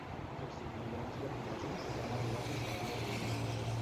Els immigrants japonesos van arribar posteriorment.